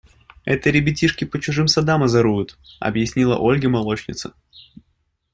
– Это ребятишки по чужим садам озоруют, – объяснила Ольге молочница.